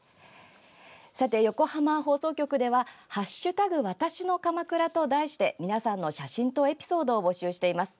さて、横浜放送局では「＃わたしの鎌倉」と題して皆さんの写真とエピソードを募集しています。